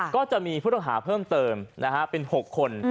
ก็จะมีผู้ต้องหาเพิ่มเติมเป็น๖คน